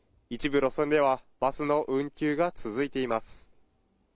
一部路線ではバスの運休が続いています